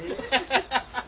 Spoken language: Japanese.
ハハハハ。